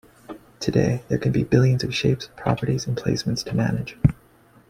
Today, there can be billions of shapes, properties and placements to manage.